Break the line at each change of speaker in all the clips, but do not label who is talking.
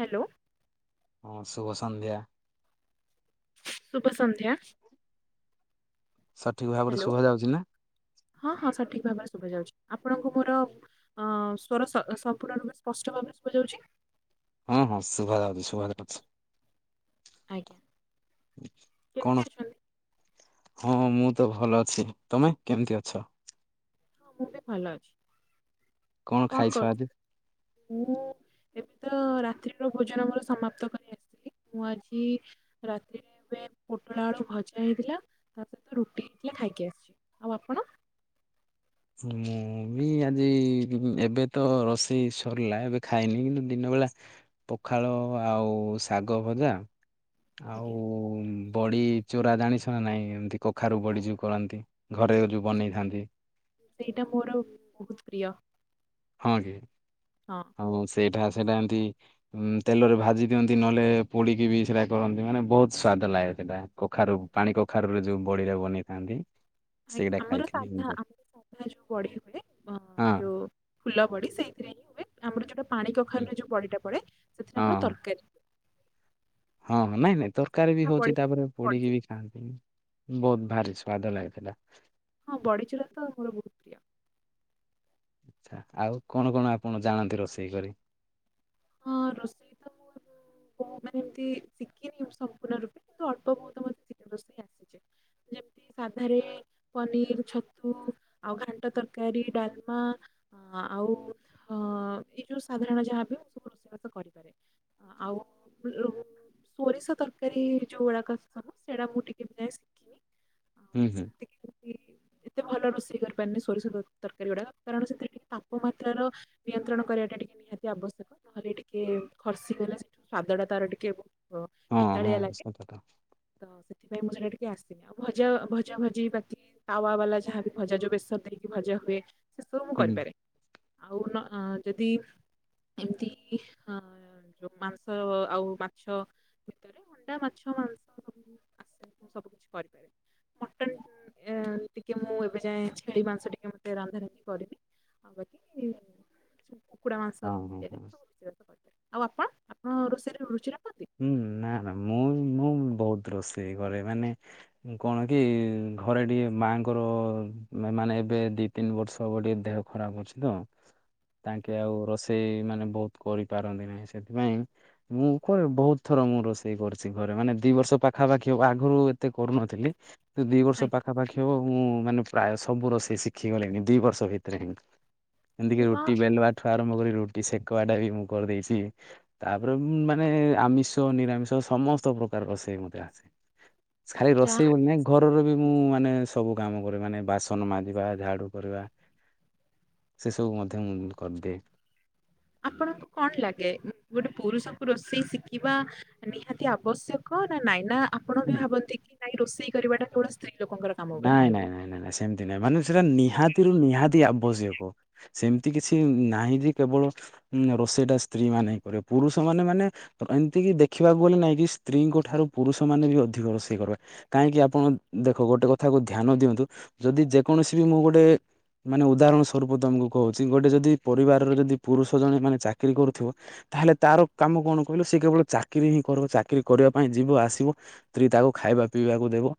Hello.
ହଁ ଶୁଭ ସନ୍ଧ୍ୟା।
ଶୁଭ ସନ୍ଧ୍ୟା।
ସଠିକ ଭାବରେ
ହ୍ୟାଲୋ
ଶୁଭା ଯାଉଚି ନା।
ହଁ ହଁ ସଠିକ ଭାବରେ ଶୁଭା ଯାଉଚି ଆପଣଙ୍କୁ ମୋର ଅଁ ସ୍ଵର ସ ସମ୍ପୂର୍ଣ ରୂପେ ସ୍ପଷ୍ଟ ଭାବରେ ଶୁଭଯାଉଚି?
ହଁ ହଁ ଶୁଭା ଯାଉଚି ଶୁଭା ଯାଉଚି।
ଆଜ୍ଞା
କଣ
କେମତି ଅଛନ୍ତି?
ହଁ ମୁଁ ତ ଭଲ ଅଛି ତମେ କେମତି ଅଛ?
ହଁ ମୁଁ ବି ଭଲ ଅଛି। କଣ
ଖାଇଛ
କରୁଚ?
ଆଜି?
ମୁଁ ଏବେ ତ ରାତ୍ରିର ଭୋଜନ ମୋର ସମାପ୍ତ କରି ଆସ ମୁଁ ଆଜି ରାତିରେ ଏବେ ପୋଟଳ ଆଳୁ ଭଜା ହେଇଥିଲା ତା ସହିତ ରୁଟି ହେଇଥିଲା ଖାଇକି ଆସଚି। ଆଉ ଆପଣ?
ମୁଁ ବି ଆଜି ବି ବି ଏବେ ତ ରୋଷେଇ ସରଲା ଏବେ ଖାଇନି କିନ୍ତୁ ଦିନ ବଳା ପଖାଳ ଆଉ ଉ ଉ ଶାଗ ଭଜା ଆଉ
ଆଜ୍ଞା
ଉ ଉ ଉଁ ବଡ଼ି ଚୋରା ଜାଣିଛ ନା ନାଇଁ ଏମିତି କଖାରୁ ବଡ଼ି ଯୋଉ କରନ୍ତି ଘରେ ଯୋଉ ବନେଇଥାନ୍ତି।
ସେଇଟା ମୋର ବହୁତ ପ୍ରିୟ।
ହଁ କି?
ହଁ।
ହଁ ସେଇଟା ସେଟା ଏମତି ଉ ତେଲରେ ଭାଜି ଦିଅନ୍ତି ନହେଲେ ପୋଡିକି ବି ସେଇଟା କରନ୍ତି। ମାନେ ବୋହୁତ ସ୍ଵାଦ ଲାଗେ ସେଟା। କଖାରୁ ପାଣି କଖାରୁରେ ଯୋଉ ବଡ଼ିରେ ବନେଇଥାନ୍ତି। ସେଇଟା
ଆଜ୍ଞା ଆମର
ଖାଇଥିଲି
ସାଧା ଆମର ସାଧା ଯୋଉ ବଢି ହୁଏ। ହଁ ଯୋଉ ଫୁଲ ବଡି ସେଇଥିରେ ହିଁ ହୁଏ। ଆମର ଯୋଉଟା ପାଣି
ହଁ
କଖାରୁରେ ଯୋଉ ବଡିଟା ପଡେ। ସେଥିରେ ଆମର ତରକାରୀ ହୁଏ।
ହଁଁ ନାଇଁ ନାଇଁ ତରକାରୀ ବି
ହଁ
ହଉଛି
ବଢି
ତାପରେ ପୋଡିକି
ବଢିଚୁରା
ବି
ହୁଏ।
ଖାଆନ୍ତି। ବୋହୁତ ଭାରି ସ୍ଵାଦ ଲାଗେ ସେଟା।
ହଁ ବଡ଼ିଚୁରା ତ ମୋର ବୋହୁତ ପ୍ରିୟ।
ଆଛା ଆଉ କଣ କଣ ଆପଣ ଜାଣନ୍ତି ରୋଷେଇ କରି?
ହଁ ରୋଷେଇ ତ [unintelligible] ମୁଁ ମାନେ ଏମିତି ଶିଖିନି ସମ୍ପୂର୍ଣ୍ଣ ରୂପେ କିନ୍ତୁ ଅଳ୍ପ ବୋହୁତ ମତେ ଶିଖ ରୋଷେଇ ଆସିଛି। ଯେମତି ସାଧାରେ ପନିର, ଛତୁ, ଆଉ ଘାଣ୍ଟ ତରକାରୀ, ଡାଲମା ଆଉ ଏଇ ଯୋଉ ସାଧାରଣ ଯାହାବି ହଉ ମୁଁ ସବୁ ରୋଷେଇବାସ କରିପାରେ। ଆଉ [unintelligible] ସୋରିଷ ତରକାରୀ ଯୋଉ ଗୁଡାକ ସବୁ ସେଟା ମୁଁ ଟିକେ [unintelligible]
ହୁଁ
ଆଉ
ହୁଁ।
ଟିକେ ଏତେ ଭଲ ରୋଷେଇ କରିପାରିନି ସୋରିଷ ତରକାରୀ ଗୁଡାକ କାରଣ ସେଥିରେ ଟିକେ ତାପମାତ୍ରାର ନିୟନ୍ତ୍ରଣ କରିବା ଟା ଟିକେ ନିହାତି ଆବଶ୍ୟକ ନହେଲେ ଟିକେ ଖସିଗଲେ ସେଠୁ ସ୍ଵାଦ ଟା ତାର ଟିକେ ଓ
ହଁ ହଁ
ପିତାଳିଆ ଲାଗେ
ସତ କଥା
ତ ସେଥିପାଇଁ ମୁଁ ସେଟା ଟିକେ ଆସିନି। ଆଉ ଭଜା ଭଜା ଭଜି ବାତି ତାୱା ବାଲା ଯାହାବି ଭଜା ଯୋଉ ବେସନ ଦେଇକି ଭଜା ହୁଏ। ସେସବୁ ମୁଁ
ହୁଁ ହୁଁ,
କରିପାରେ ଆଉ ନ ଯଦି ଏମିତି ହଁ। ଯୋଉ ମାଂସ ଆଉ ମାଛ ଭିତରେ ଅଣ୍ଡା ମାଛ ମାଂସ ସବୁ ଆସେ ମୁଁ ସବୁ କିଛି କରିପାରିବି। ମଟନ ଟିକେ ମୁଁ ଏବେ ଯାଏ ଛେଳି ମାଂସ ଟିକେ ମତେ ରାନ୍ଧାରୁନ୍ଧି କରିନି। ଆଉ ବାକି କୁକୁଡା ମାଂସ
ହଁ ହଁ ହଁ।
[unintelligible] ଆଉ ଅପା ଆପଣ ରୋଷେଇରେ ରୁଚି ରଖନ୍ତି।
ହୁଁ ନା ନା ମୁଁ ମୁଁ ବୋହୁତ ରୋଷେଇ କରେ ମାନେ କଣ କି ଘରେ ଟିକେ ମାଙ୍କର ମାନେ ଏବେ ଦି ତିନି ବର୍ଷ ହେବ ଟିକେ ଦେହ ଖରାପ ଅଛି ତ। ତାଙ୍କେ
ଆଜ୍ଞା
ଆଉ ରୋଷେଇ ମାନେ ବୋହୁତ କରିପାରନ୍ତି ନାହିଁ। ସେଥିପାଇଁ ମୁଁ ପରେ ବହୁତ ଥର ମୁଁ ରୋଷେଇ କରିଛି ଘରେ ମାନେ ଦି ବର୍ଷ ପାଖାପାଖି ହବ ଆଗରୁ ଏତେ କରୁନଥିଲି। ଦି ବର୍ଷ
ଆଜ୍ଞା
ପାଖାପାଖି ହବ ମୁଁ ମାନେ ପ୍ରାୟ ସବୁ ରୋଷେଇ ଶିଖି ଗଲିଣି ଦି ବର୍ଷ ଭିତରେ ହିଁ। ଏମିତିକି
ଆରେ ବା
ରୁଟି ବେଲବା ଠୁ ଆରମ୍ଭ କରି ରୁଟି ସେକବା ଟା ବି ମୁଁ କରିଦେଇଛି ତାପରେ ମୁଁ ମା ମାନେ ଆମିଷ ନିରାମିଷ ସମସ୍ତ ପ୍ରକାର ରୋଷେଇ ମୋତେ ଆସେ ଖାଲି
ଯାହା
ରୋଷେଇ
ହଉ
ବୋଲି ନୁହେଁ ଘରର ବି ମୁଁ ମାନେ ସବୁ କାମ କରେ ମାନେ ବାସନ ମାଜିବା ଝାଡ଼ୁ କରିବା। ସେସବୁ ମଧ୍ୟ ମୁଁ କରିଦିଏ।
ଆପଣଙ୍କୁ କଣ ଲାଗେ ଗୋଟେ ପୁରୁଷଙ୍କୁ ରୋଷେଇ ଶିଖିବା ନିହାତି ଆବଶ୍ୟକ ନା ନାଇଁ ନା ଆପଣ ବି ଭାବନ୍ତି କି ନାଇଁ ରୋଷେଇ କରିବାଟା କେବଳ ସ୍ତ୍ରୀ ଲୋକଙ୍କର କାମ ବୋଲି?
ନାଇଁ ନାଇଁ ନାଇଁ ନାଇଁ ନାଇଁ ସେମିତି ନାଇଁ ମାନେ ସେଟା ନିହାତିରୁ ନିହାତି ଆବଶ୍ୟକ। ସେମିତି କିଛି ନାହିଁ ଯେ କେବଳ ରୋଷେଇ ଟା ସ୍ତ୍ରୀ ମାନେ ହିଁ କରିବେ ପୁରୁଷ ମାନେ ମାନେ ଏମିତିକି ଦେଖିବାକୁ ଗଲେ ନାଇଁ କି ସ୍ତ୍ରୀଙ୍କ ଠାରୁ ପୁରୁଷ ମାନେ ବି ଅଧିକ ରୋଷେଇ କରନ୍ତି। କାହିଁକି ଆପଣ ଦେଖ ଗୋଟେ କଥାକୁ ଧ୍ୟାନ ଦିଅନ୍ତୁ ଯଦି ଯେକୌଣସି ବି ମୁଁ ଗୋଟେ ମାନେ ଉଦାହରଣ ସ୍ୱରୂପ ତମକୁ କହୁଛି ଗୋଟେ ଯଦି ପରିବାରର ଯଦି ପୁରୁଷ ଜଣେ ମାନେ ଚାକିରି କରୁଥିବ। ତାହେଲେ ତାର କାମ କଣ କହିଲ ସେ କେବଳ ଚାକିରି ହିଁ କରିବ ଚାକିରୀ କରିବା ପାଇଁ ଯିବ ଆସିବ। ସ୍ତ୍ରୀ ତାକୁ ଖାଇବା ପିଇବାକୁ ଦେବ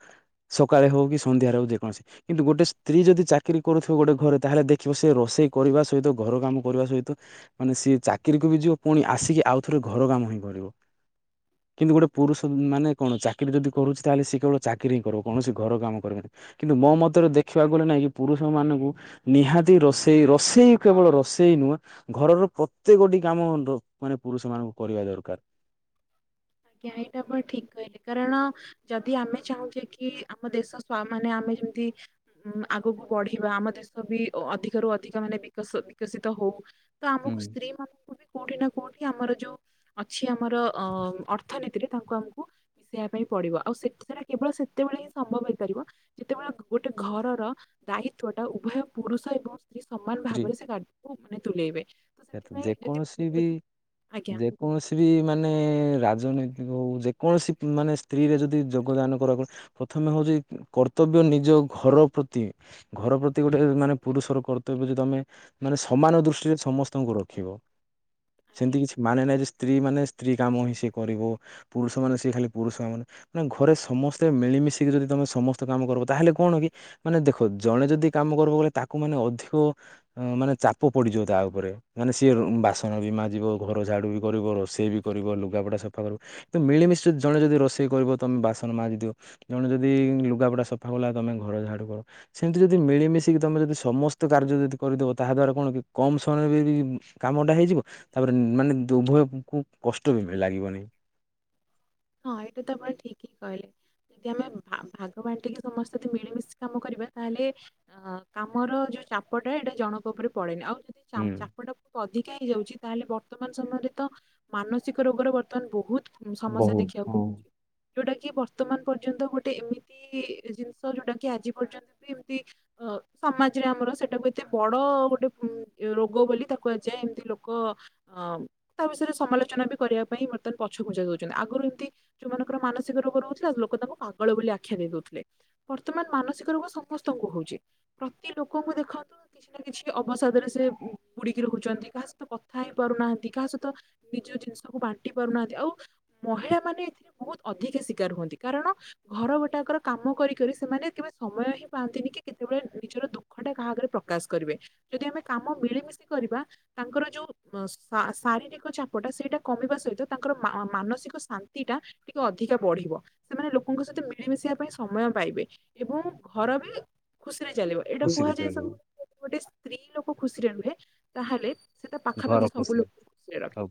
ସକାଳେ ହଉ କି ସନ୍ଧ୍ୟାରେ ହଉ ଯେକୌଣସି କିନ୍ତୁ ଗୋଟେ ସ୍ତ୍ରୀ ଯଦି ଚାକିରି କରୁଥିବ ଗୋଟେ ଘରେ ତାହେଲେ ଦେଖିବ ସେ ରୋଷେଇ କରିବା ସହିତ ଘର କାମ କରିବା ସହିତ ମାନେ ସିଏ ଚାକିରୀକୁ ବି ଯିବ ପୁଣି ଆସିକି ଆଉ ଥରେ ଘର କାମ ହିଁ କରିବ। କିନ୍ତୁ ଗୋଟେ ପୁରୁଷ ମାନେ କଣ ଚାକିରି ଯଦି କରୁଛି ତାହେଲେ ସେ କେବଳ ଚାକିରି ହିଁ କରବ କୌଣସି ଘର କାମ କରିବନି କିନ୍ତୁ ମୋ ମତରେ ଦେଖିବାକୁ ଗଲେ ନାହିଁ କି ପୁରୁଷ ମାନଙ୍କୁ ନିହାତି ରୋଷେଇ ରୋଷେଇ କେବଳ ରଷେଇ ନୁହେଁ ଘରର ପ୍ରତ୍ୟେକଟି କାମ ମାନେ ପୁରୁଷ ମାନଙ୍କୁ କରିବା ଦରକାର।
ଆଜ୍ଞା ଏଇଟା ଆପଣ ଠିକ୍ କହିଲେ କାରଣ ଯଦି ଆମେ ଚାହୁଁଛେ କି ଆମ ଦେଶ ସ୍ୱା ମାନେ ଆମେ ଯେମିତି ଉ ଆଗକୁ ବଢିବା ଆମ ଦେଶ ବି ଅଧିକରୁୁ ଅଧିକ ମାନେ ବିକ ବିକଶିତ ହଉ। ତ ଆମକୁ
ହୁଁ
ସ୍ତ୍ରୀ ମାନଙ୍କୁ ବି କୋଉଠି ନା କୋଉଠି ଆମର ଯୋଉ ଅଛି ଆମର ଅ ଅର୍ଥନୀତିରେ ତାଙ୍କୁ ଆମକୁ ମିଶେଇବା ପାଇଁ ପଡିବ ଆଉ ସେଟା କେବଳ ସେତେବେଳେ ହିଁ ସମ୍ଭବ ହେଇପାରିବ। ଯେତେବେଳେ ଗୋଟେ ଘରର ଦାୟିତ୍ଵଟା ଉଭୟ ପୁରୁଷ ଏବଂ ସ୍ତ୍ରୀ ସମାନ
ସ୍ତ୍ରୀ
ଭାବରେ ସେ କାର୍ଯ୍ୟକୁ ମାନେ ତୁଲେଇବେ ତ ସେଥିପାଇଁ ଯଦି ଆଜ୍ଞା।
କୌଣସି ବି ମାନେ ରାଜନୈତି ହେଉ ଯେକୌଣସି ମାନେ ସ୍ତ୍ରୀରେ ଯଦି ଯୋଗଦାନ କରକ ପ୍ରଥମେ ହଉଛି କର୍ତ୍ତବ୍ୟ ନିଜ ଘରର ପ୍ରତି। ଘର ପ୍ରତି ଗୋଟେ ମାନେ ପୁରୁଷର କର୍ତ୍ତ୍ୟ ବ୍ୟ ତମେ ମାନେ ସମାନ ଦୃଷ୍ଟିରେ ସମସ୍ତଙ୍କୁ ରଖିବ
ଆଜ୍ଞା
ସେମିତି କିଛି ମାନେ ନାହିଁ ଯେ ସ୍ତ୍ରୀ ମାନେ ସ୍ତ୍ରୀ କାମ ହିଁ ସେ କରିବ ପୁରୁଷ ମାନେ ସେ ଖାଲି ପୁରୁଷ ମାନେ ଘରେ ସମସ୍ତେ ମିଳିମିଶିକି ଯଦି ତମେ ସମସ୍ତେ କାମ କରିବ ତାହେଲେ କଣ କି ମାନେ ଦେଖ ଜଣେ ଯଦି କାମ କରିବ ହେଲେ ତାକୁ ମାନେ ଅଧିକ ମାନେ ଚାପ ପଡିଯିବ ତା ଉପରେ। ମାନେ ସିଏ ବାସନ ବି ମାଜିବ ଘର ଝାଡ଼ୁ ବି କରିବ ରୋଷେଇ ବି କରିବ ଲୁଗାପଟା ସଫା କରିବ। କିନ୍ତୁ ମିଳିମିଶି ଜଣେ ଯଦି ରୋଷେଇ କରିବ ତମ ବାସନ ମାଜିଦିଅ। ଜଣେ ଯଦି ଲୁଗାପଡା ସଫା କଲା ତମେ ଘର ଝାଡୁ କର ସେମିତି ଯଦି ମିଳିମିଶିକି ତମେ ଯଦି ସମସ୍ତ କାର୍ଯ୍ୟ ଯଦି କରିଦେବ ତାହା ଦ୍ଵାରା କଣ କି କମ ସମୟରେ ବି କାମଟା ହେଇଯିବ। ତାପରେ ମାନେ ଉଭୟକୁ କଷ୍ଟ ବି ଲାଗିବନି।
ହଁ ଏଇଟା ତ ଆପଣ ଠିକ୍ ହିଁ କହିଲେ। ଯଦି ଆମେ ଭାଗ ବାଣ୍ଟିକି ସମସ୍ତେ ମିଳିମିଶି କାମ କରିବା ତାହେଲେ ଅ କାମର ଯୋଉ ଚାପଟା ଏଇଟା ଜଣଙ୍କ ଉପରେ ପଡେନି ଆଉ ଯଦି ଚା
ହୁଁ
ଚାପଟା ଅଧିକା ହେଇଯାଉଛି ତାହେଲେ ବର୍ତ୍ତମାନ ସମୟରେ ତ ମାନସିକ ରୋଗର ବର୍ତ୍ତମାନ ବହୁତ ଉଁ, ସମସ୍ୟା
ବହୁତ
ଦେଖିବାକୁ
ହୁଁ।
ମିଳୁଛି। ଯୋଉଟା କି ବର୍ତ୍ତମାନ ପର୍ଯ୍ୟନ୍ତ ଗୋଟେ ଏମିତି ଜିନିଷ ଯୋଉଟା କି ଆଜି ପର୍ଯ୍ୟନ୍ତ ବି ଏମତି ଅ ସମାଜରେ ଆମର ସେଟାକୁ ଏତେ ବଡ ଗୋଟେ ରୋଗ ବୋଲି ତା କୁହାଯାଏ ଏମତି ଲୋକ ଅ ତା ବିଷୟରେ ସମାଲୋଚନା ବି କରିବା ପାଇଁ ବର୍ତ୍ତମାନ ପଛକୁୁଞ୍ଚା ଦଉଛନ୍ତି ଆଗରୁ ଯୋଉମାନଙ୍କର ମାନସିକ ରୋଗ ରହୁଥିଲା ଲୋକ ତାଙ୍କୁ ପାଗଳ ବୋଲି ଆଖ୍ୟା ଦେଇ ଦଉଥିଲେ। ବର୍ତ୍ତମାନ ମାନସିକ ରୋଗ ସମସ୍ତଙ୍କୁ ହଉଛି ପ୍ରତି ଲୋକଙ୍କୁ ଦେଖନ୍ତୁ। କିଛି ନା କିଛି ଅବସାଦରେ ସେ ବୁଡିକି ରହୁଛନ୍ତି କାହା ସହିତ କଥା ହେଇ ପାରୁନାହାନ୍ତି କାହା ସହିତ ନିଜ ଜିନିଷକୁ ବାଣ୍ଟି ପାରୁନାହାନ୍ତି ଆଉ ମହିଳା ମାନେ ଏଥି ବହୁତ ଅଧିକା ଶିକାର ହୁଅନ୍ତି କାରଣ ଘର ଗୋଟାକର କାମ କରିିକରି ସେମାନେ କେବେ ସମୟ ହିଁ ପାଆନ୍ତିନି କି କେତେବେଳେ ନିଜର ଦୁଃ ଖ ଟେ କାହା ଆଗରେ ପ୍ରକାଶ କରିବେ ଯଦି ଆମେ କାମ ମିଳିମିଶି କରିବା। ତାଙ୍କର ଯୋଉ ଶା ଶାରୀରିକ ଚାପଟା ସେଇଟା କମିବା ସହିତ ତାଙ୍କର ମା ମାନସିକ ଶାନ୍ତି ଟିଟା ଟିକେ ଅଧିକା ବଢିବ। ସେମାନେ ଲୋକଙ୍କ ସହିତ ମିଳିମିଶିବା ପାଇଁ ସମୟ ପାଇବେ। ଏବଂ ଘର ବି ଖୁସିରେ ଚାଲିବ। ଏଇଟା
ଖୁସିରେ
କୁହାଯାଏ, ସବୁ
ଚଳିବ
ଯଦି ଗୋଟେ ସ୍ତ୍ରୀ ଲୋକ ଖୁସିରେ ରୁହେ, ତାହେଲେ ସିଏ ତା ପାଖାପାଖି ସବୁ ଲୋକଙ୍କୁ ଖୁସିରେ ରଖେ।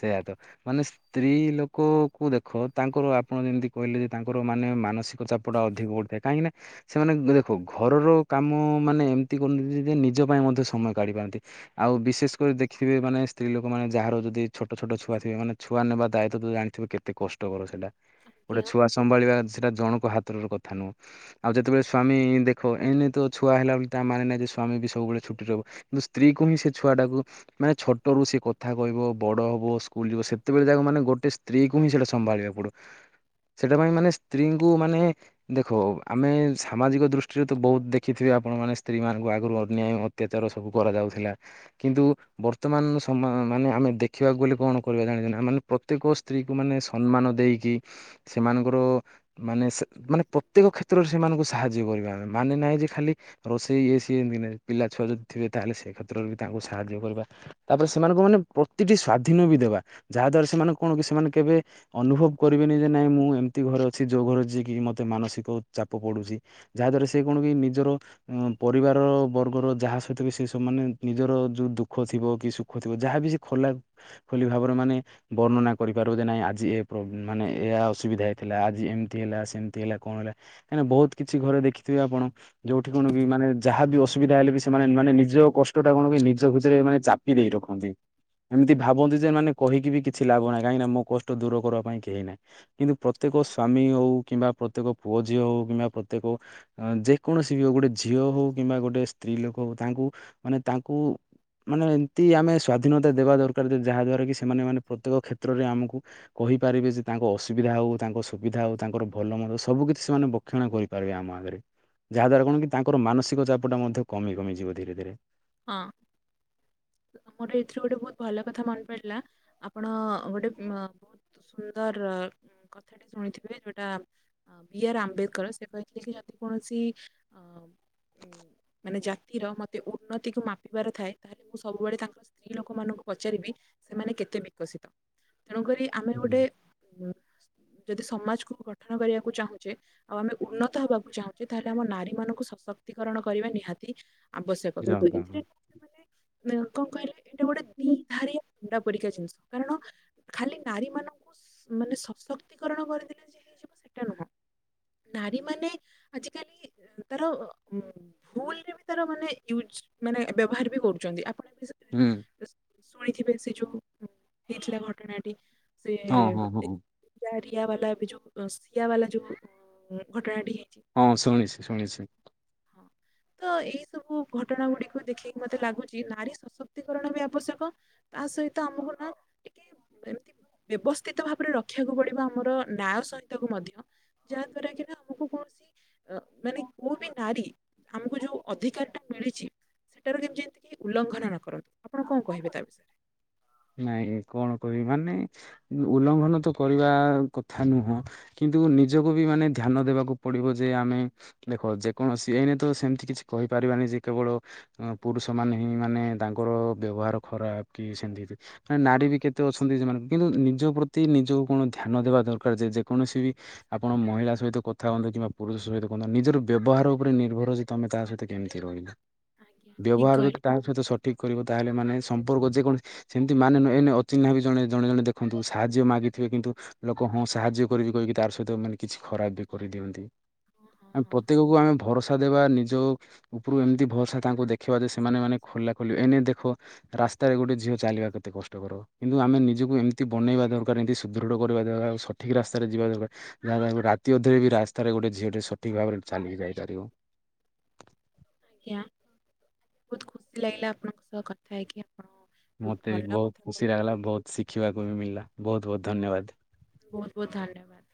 ସେୟାତ ମାନେ ସେ ସ୍ତ୍ରୀ ଲୋକ କୁ ଦେଖ, ତାଙ୍କର ଆପଣ ଯେମିତି କହିଲେ ଯେ ତାଙ୍କର ମାନେ ମାନସିକ ତ ଚାପଟା ଅଧିକ ପଡୁଥାଏ। କାହିଁକି ନା ସେମାନେ ଦେଖ ଘରର କାମ ମାନେ ଏମିତି କରନ୍ତି ଯେ, ନିଜ ପାଇଁ ମଧ୍ୟ ସମୟ କାଢି ପାରନ୍ତି। ଆଉ ବିଶେଷ ଦେଖଥିବେ ମାନେ ସ୍ତ୍ରୀ ଲୋକମାନେ ଯାହାର ଯଦି ଛୋଟ ଛୋଟ ଛୁଆଥିବେ, ମାନେ ଛୁଆ ନେବା ଦାୟିତ୍ୱ ତ ଜାଣିଥିବେ କେତେ କଷ୍ ଟକର ଥିଲା। ଗୋଟେ
ଆଜ୍ଞା
ଛୁଆ ସମ୍ଭାଳିବା ସେଟା ଜଣଙ୍କ ହାତର କଥା ନୁହଁ। ଆଉ ଯେତେବେଳେ ସ୍ୱାମୀ ଦେଖ ଏଇନେ ତ ଛୁଆ ହେଲାବଲି ତା ମାନେ ନାହିଁ ଯେ ସ୍ୱାମୀ ବି ସବୁବେଳେ ଛୁଟିରେ ରହିବ। ସ୍ତ୍ରୀ କୁ ହିଁ ସେ ଛୁଆ ଟାକୁ ମାନେ ଛୋଟରୁ ସେ କଥା କହିବ, ବଡ଼ ହବ ସ୍କୁଲ ଯିବ ସେତେବେଳେ ଯାକ ମାନେ ଗୋଟେ ସ୍ ସ୍ତ୍ରୀ କୁ ହିଁ ସେଟା ସମ୍ଭାଳିବା ପଡୁ। ସେଟା ପାଇଁ ମାନେ ସ୍ତ୍ରୀଙ୍କୁ ମାନେ ଦେଖ ଆମେ ସାମାଜିକ ଦୃଷ୍ଟିରେ ତ ବହୁତ ଦେଖିଥିବେ, ଆପଣ ମାନେ ସ୍ତ୍ରୀ ମାନଙ୍କୁ ଆଗରୁ ଅନ୍ୟାୟ ଅତ୍ୟାଚାର ସବୁ କରାଯାଉଥିଲା କିନ୍ତୁ ବର୍ତ୍ତମାନ ସମୟ ମାନେ ଆମେ ଦେଖିବାକୁ ଗଲେ କଣ କରିବା ଜାଣିଛେ, ନା ମାନେ ପ୍ରତ୍ୟେକ ସ୍ତ୍ରୀ କୁ ମାନେ ସମ୍ମାନ ଦେଇକି, ସେମାନଙ୍କର ମାନେ ସେ ମାନେ ପ୍ରତ୍ୟେକ କ୍ଷେତ୍ରରେ ସେମାନଙ୍କୁ ସାହାଯ୍ୟ କରିବା। ମାନେ ନାହିଁ ଯେ ଖାଲି ରୋଷେଇ ଇଏ ସିଏ ଇମତି ନାହିଁ। ପିଲା ଛୁଆ ଯଦି ଥିବେ, ତାହେଲେ ସେ କ୍ଷେତ୍ରରେ ବି ତାଙ୍କୁ ସାହାଯ୍ୟ କରିବା। ତା'ପରେ ସେମାନଙ୍କୁ ମାନେ ପ୍ରତିଟି ସ୍ଵାଧୀନ ବି ଦେବା। ଯାହା ଦ୍ଵାରା ସେମାନେ କଣ କି ସେମାନେ କେବେ ଅନୁଭବ କରିବେନି ଯେ, ନାଇଁ ମୁଁ ଏମିତି ଘରେ ଅଛି, ଯୋଉ ଘରେ ଯ କିି ମତେ ମାନସିକ ଚାପ ପଡୁଛି। ଯାହା ଦ୍ଵାରା ସେ କଣ କି ନିଜର ପରିବାର ବର୍ଗର ଯାହା ସହିତ ବି ସେ ସବୁମାନେ ନିଜର ଯୋଉ ଦୁଃଖ୍ ଖ ଥିବ କି ସୁଖ ଥିବ ଯାହାବି ସେ ଖୋଲା ଖୋଲି ଭାବରେ ମାନେ ବର୍ଣ୍ଣନା କରିପାର କୁ ନାଇଁ ଆଜି ଏ ପ୍ର ମାନେ ଏଆ ଅସୁବିଧା ହେଇଥିଲା, ଆଜି ଏମିତି ହେଲା ସେମିତି ହେଲା କଣ ହେଲା? କାହିଁକିନା ବହୁତ କିଛି ଘରେ ଦେଖିଥିବେ ଆପଣ? ଯୋଉଠି କଣ କି ମାନେ ଯାହା ବି ଅସୁବିଧା ହେଲେ ବି ସେମାନେ ମାନେ ନିଜ କଷ୍ଟଟା କଣ କି ନିଜ ଭ ଏ ମାନେ ଚାପି ଦେଇ ରଖନ୍ତି। ଏମିତି ଭାବନ୍ତି ଯେ, ମାନେ କହିକି ବି କିଛି ଲାଭ ନାହିଁ। କାହିଁକିନା ମୋ କଷ୍ଟ ଦୂର କରିବା ପାଇଁ କେହି ନାହିଁ। କିନ୍ତୁ ପ୍ରତ୍ୟେକ ସ୍ଵାମୀ ହଉ, କିମ୍ବା ପ୍ରତ୍ୟେକ ପୁଅ ଝିଅ ହଉ, କିମ୍ବା ପ୍ରତ୍ୟେକ ଯେକୌଣସି ବି ହଉ, ଗୋଟେ ଝିଅ ହଉ କିମ୍ବା ଗୋଟେ ସ୍ତ୍ରୀ ଲୋକ ହଉ, ତାଙ୍କୁ ମାନେ ତାଙ୍କୁ ମାନେ ଏମିତି ଆମେ ସ୍ଵାଧୀନତା ଦେବା ଦରକାର ଯାହା, ଦ୍ଵାରା କି ସେମାନେ ମାନେ ପ୍ରତ୍ୟେକ କ୍ଷେତ୍ରରେ ଆମକୁ କହିପାରିବେ ଯେ, ତାଙ୍କ ଅସୁବିଧା ହଉ, ତାଙ୍କ ସୁବିଧା ହଉ ତାଙ୍କର ଭଲ ମନ୍ଦ ସବୁ କିଛି ସେମାନେ ରକ୍ଷଣ କରିପାରିବେ ଆମ ଆଗରେ, ଯାହା ଦ୍ଵାରା କଣ କି ତାଙ୍କର ମାନସିକ ଚାପଟା ମଧ୍ୟ କମି କମିଯିବ ଧୀରେ ଧୀରେ।
ହଁ। ମୋର ଏଥିରୁ ଗୋଟେ ବହୁତ ଭଲ କଥା ମନେ ପଡିଲା। ଆ ଆପଣ ଗୋଟେ ବହୁତ ସୁନ୍ଦର କଥାଟିେ ଶୁଣିଥିବେ ଯୋଉଟା। ବି ଆର୍ ଆମ୍ବେଦକର ସେ କହିଥିଲେ କି ଯଦି କୌଣସି ଅ ଉଁ, ମାନେ ଜାତିର ମତେ ଉନ୍ନତିକୁୁ ମାପିବାର ଥାଏ ତା ମୁଁ ସବୁବେଳେ ତାଙ୍କର ସ୍ତ୍ରୀ ଲୋକମାନଙ୍କୁ ପଚାରିବି ସେମାନେ କେତେ ବିକଶିତ? ତେଣୁକରି ଆମେ ଗୋଟେ ଉଁ ଯଦି ସମାଜକୁ ଗଠନ କରିବାକୁ ଚାହୁଁଛେ ଆଉ ଆମେ ଉନ୍ନତ ହେବାକୁ ଚାହୁଁଛେ, ତାହେଲେ ଆମ ନାରୀ ମାନଙ୍କୁ ସଶକ୍ତିକରଣ କରିବା ନିହାତି ଆବଶ୍ୟକ କିନ୍ତୁ
ଜଣକା
ଏଥିରେ, [inaudible] ମାନେ କଣ କହିଲେ ଏଇଟା ଗୋଟେ ଦି ଧାରିଆ ଣ୍ଡା ପରିକା ଜିନିଷ କାରଣ ଖାଲି ନାରୀ ମାନଙ୍କୁ ମାନେ ସଶକ୍ତିକରଣ କରିଦେଲେ ଯେ ସେଟା ନୁହଁ ନାରୀ ମାନେ ଆଜିକାଲି ତାର ଭୁଲରେ ବି ତାର ମାନେ ୟୁଜ ମାନେ ବ୍ୟବହାର ବି କରୁଛନ୍ତି।
ହଁ
[unintelligible] ଶୁଣିଥିବେ ସେ ଯୋଉ ହେଇଥିଲା ଘଟଣାଟି। ସେ
ହଁ ହଁ ହଁ।
ରିଆ ବାଲା ଏ ଯୋଉ ସିଆ ବାଲା ଯୋଉ ଘଟଣାଟି ହେଇଛି।
ହଁ ଶୁଣିଛି ଶୁଣିଛି।
ହଁ ତ ଏଇ ସବୁ ଘଟଣା ଗୁଡିକୁ ଦେଖିକି ମତେ ଲାଗୁଛି ନାରୀ ସଶକ୍ତିକରଣ ବି ଆବଶ୍ୟକ। ତା ସହିତ ଆମକୁ ନା ଏମତି ବ୍ୟବସ୍ଥିତ ଭାବରେ ରଖିବାକୁ ପଡିବ ଆମର ନ୍ୟାୟ ସହିତ କୁ ମଧ୍ୟ। ଯାହା ଦ୍ଵାରା କି ନା ଆମକୁ କୌଣସି ଅ ମାନେ କୋଉ ବି ନାରୀ ଆମକୁ ଯୋଉ ଅଧିକାରଟା ମିଳିଛି। ସେଟାରୁ କେମିତି ଏମତି ଉଲ୍ଲଂଘନ ନ କରନ୍ତୁ ଆପଣ କଣ କହିବେ ତା ବିଷୟରେ
ନାଇଁ କଣ କହିବି ମାନେ ଉଲ୍ଲଂଘନ ତ କରିବା କଥା ନୁହଁ। କିନ୍ତୁ ନିଜକୁ ବି ମାନେ ଧ୍ୟାନ ଦେବାକୁ ପଡିବ ଯେ ଆମେ ଦେଖ ଯେକୌଣସି ଏଇନେ ତ ସେମିତି କିଛି କହିପାରିବାନି ଯେ କେବଳ ପୁରୁଷ ମାନେ ହିଁ ମାନେ ତାଙ୍କର ବ୍ୟବହାର ଖରାପ କି ସେମତି ନାରୀ ବି କେତେ ଅଛନ୍ତି ସେମାନଙ୍କୁ କିନ୍ତୁ ନିଜ ପ୍ରତି ନିଜକୁ କଣ ଧ୍ୟାନ ଦେବା ଦରକାର ଯେ ଯେକୌଣସି ବି ଆପଣ ମହିଳା ସହିତ କଥା ହୁଅନ୍ତୁ କିମ୍ବା ପୁରୁଷ ସହିତ ହୁଅନ୍ତୁ ନିଜର ବ୍ୟବହାର ଉପରେ ନିର୍ଭର ତମେ ତା ସହିତ କେମିତି ରହିଲ?
ଆଜ୍ଞା ଠିକ
ବ୍ୟବହାର ଯଦି
କହିଲେ
ତା ସହିତ ସଠିକ କରିବ ତାହେଲେ ମାନେ ସମ୍ପର୍କ ଯେକୌଣସି ସେମତି ମାନେ ନୁହେଁ ଏଇନେ ଅଚିହ୍ନା ବି ଜଣେ ଜଣେ ଜଣ ଦେଖନ୍ତୁ ସାହାଯ୍ୟ ମାଗିଥିବେ କିନ୍ତୁ ଲୋକ ହଁ ସାହାଯ୍ୟ କରିବି କହିକି ତାର ସହିତ ମାନେ କିଛି ଖରାପ ବି କରିଦିଅନ୍ତି। ଆ ପ୍ରତ୍ୟେକକୁ ଆମେ ଭରସା ଦେବା ନିଜ ଉପରୁ ଏମିତି ଭରସା ତାଙ୍କୁ ଦେଖିବା ଯେ ସେମାନେ ମାନେ ଖୋଲା ଖୋଲି ଏଇନେ ଦେଖ ରାସ୍ତାରେ ଗୋଟେ ଝିଅ ଚାଲିବା କେତେ କଷ୍ଟକର। କିନ୍ତୁ ଆମେ ନିଜକୁ ଏମିତି ବନେଇବା ଦରକାର ଏମିତି ସୁଦୃଢ଼ କରିବା ଦରକାର ଆଉ ସଠିକ ରାସ୍ତାରେ ଯିବା ଦରକାର। ଯାହା ରାତି ଅଧରେ ବି ରାସ୍ତାରେ ଗୋଟେ ଝିଅଟେ ସଠିକ ଭାବରେ ଚାଲିକି ଯାଇପାରିବ।
ଆଜ୍ଞା ବହୁତ ଖୁସି ଲାଗିଲା ଆପଣଙ୍କ ସହ କଥା ହେଇକି। ଆପଣ ବହୁତ
ମତେ ବି
ଭଲ କଥା
ବହୁତ ଖୁସି
କହିଲେ
ଲାଗିଲା ବହୁତ ଶିଖିବାକୁ ବି ମିଳିଲା ବହୁତ ବହୁତ ଧନ୍ୟବାଦ।
ବହୁତ ବହୁତ ଧନ୍ୟବାଦ।